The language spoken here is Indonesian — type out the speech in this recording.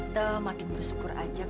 capek tau nggak